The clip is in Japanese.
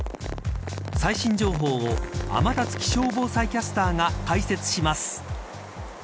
最新情報を天達気象防災キャスターが解説します。